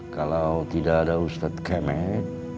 kalian berangkat insyaallah amir